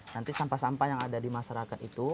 nanti sampah sampah yang ada di masyarakat itu